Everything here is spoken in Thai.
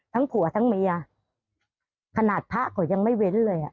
ทั้งผัวทั้งเมียขนาดพระก็ยังไม่เว้นเลย